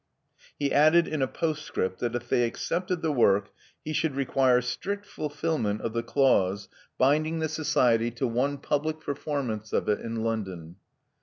He added in a postscript that if they accepted the work, he should require strict fulfilment of the clause binding the 272 Love Among the Artists Society to one public performance of it in London.